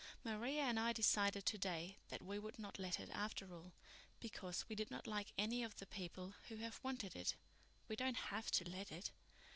"Maria and I decided today that we would not let it after all, because we did not like any of the people who have wanted it. We don't have to let it.